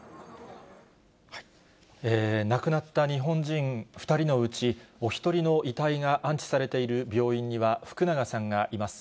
亡くなった日本人２人のうち、お１人の遺体が安置されている病院には、福永さんがいます。